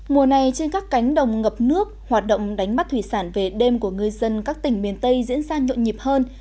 mùa này trên các cánh đồng ngập nước hoạt động đánh bắt thủy sản về đêm của người dân các tỉnh miền tây diễn ra nhộn nhịp hơn